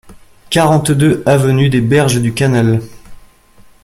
quarante-deux avenue des Berges du Canal